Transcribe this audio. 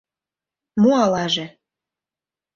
Мо алаже?